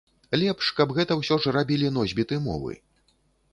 Лепш, каб гэта ўсё ж рабілі носьбіты мовы.